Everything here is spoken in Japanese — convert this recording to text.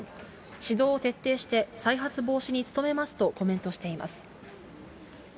指導を徹底して、再発防止に努めますとコメントしています。